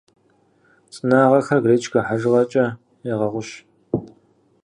Цӏынагъэхэр гречкэ хьэжыгъэкӏэ ягъэгъущ.